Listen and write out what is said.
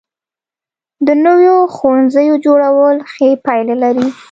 د نویو ښوونځیو جوړول ښې پایلې لري.